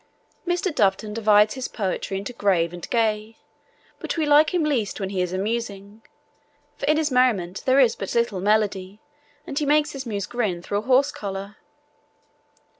Mr. Doveton divides his poems into grave and gay, but we like him least when he is amusing, for in his merriment there is but little melody, and he makes his muse grin through a horse collar.